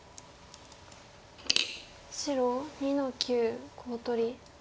白２の九コウ取り。